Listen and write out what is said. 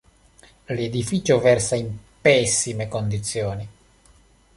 L'edificio versa in pessime condizioni.